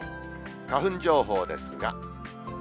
花粉情報ですが。